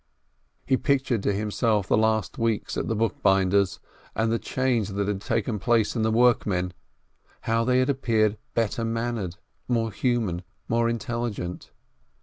He pictured to himself the last weeks at the book binder's and the change that had taken place in the workmen ; how they had appeared better mannered, more human, more intelligent.